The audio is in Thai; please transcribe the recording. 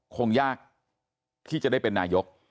คงยากที่จะได้เป็นนายก